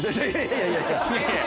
いやいやいやいや。